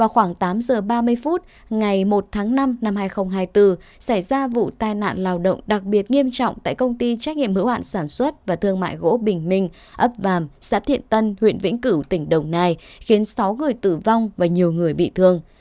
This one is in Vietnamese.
khoảng tám giờ ba mươi phút ngày một tháng năm năm hai nghìn hai mươi bốn xảy ra vụ tai nạn lao động đặc biệt nghiêm trọng tại công ty trách nhiệm hữu hạn sản xuất và thương mại gỗ bình minh ấp vàm xã thiện tân huyện vĩnh cửu tỉnh đồng nai khiến sáu người tử vong và nhiều người bị thương